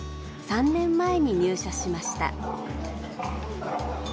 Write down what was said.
３年前に入社しました。